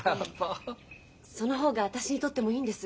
その方が私にとってもいいんです。